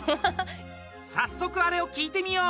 早速、あれを聞いてみよう！